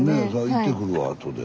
行ってくるわ後で。